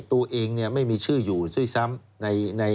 ตัวเองไม่มีชื่ออยู่ด้วยซ้ำ